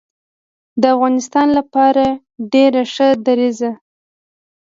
د افغانستان لپاره ډیر ښه دریځ